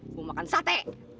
gue makan sate